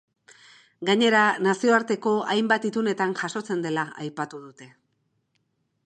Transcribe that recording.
Gainera, nazioarteko hainbat itunetan jasotzen dela aipatu dute.